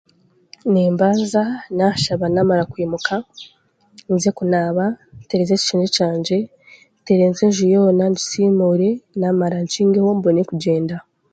Nimbanza naashaba naamara kwimuka nze kunaaba, ntereeze ekishengye kyangye, ntereeze enju yoona, ngisiimuure naamara nkingeho mbone kugyenda